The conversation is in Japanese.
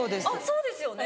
そうですよね。